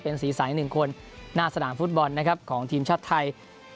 เป็นสีสายหนึ่งคนหน้าสนามฟุตบอลของทีมชาติไทย